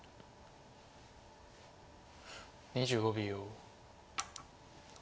２５秒。